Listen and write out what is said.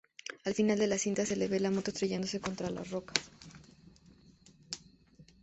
Al final de la cinta se ve la moto estrellándose contra las rocas.